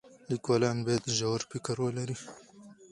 لیکوالان باید ژور فکر ولري.